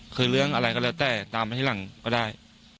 คือเรื่องอะไรก็แล้วแต่ตามไปที่หลังก็ได้